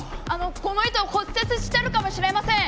この人骨折してるかもしれません。